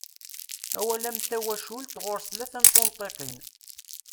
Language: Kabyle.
Awal am "tawacult" ɣuṛ-s tlata n tunṭiqin.